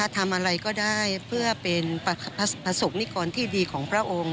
ทำอะไรก็ได้เพื่อเป็นประสบนิกรที่ดีของพระองค์